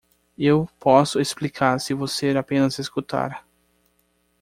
Eu posso explicar se você apenas escutar.